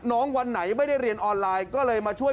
วันไหนไม่ได้เรียนออนไลน์ก็เลยมาช่วย